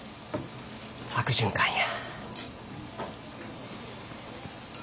悪循環や。